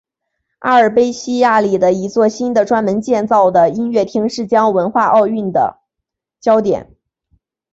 阿尔卑西亚里的一座新的专门建造的音乐厅将是文化奥运的焦点。